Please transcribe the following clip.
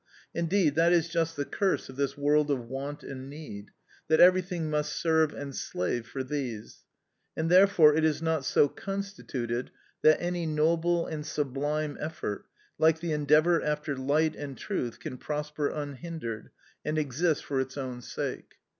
Indeed that is just the curse of this world of want and need, that everything must serve and slave for these; and therefore it is not so constituted that any noble and sublime effort, like the endeavour after light and truth, can prosper unhindered and exist for its own sake.